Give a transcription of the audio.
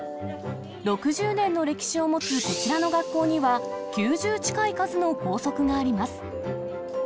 ６０年の歴史を持つこちらの学校には、９０近い数の校則があります。